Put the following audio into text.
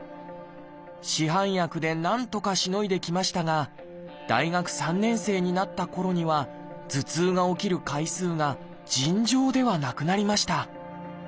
市販薬でなんとかしのいできましたが大学３年生になったころには頭痛が起きる回数が尋常ではなくなりました。